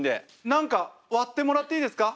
何か割ってもらっていいですか？